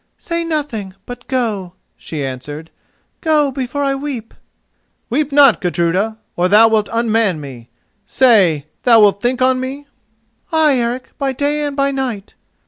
"Say nothing, but go," she answered: "go before I weep." "Weep not, Gudruda, or thou wilt unman me. Say, thou wilt think on me?" "Ay, Eric, by day and by night."